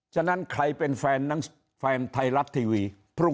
ฉะนั้นใครเป็นแฟนไทยรับทีวี